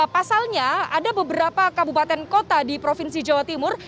pasalnya ada beberapa kabupaten kota di provinsi jawa timur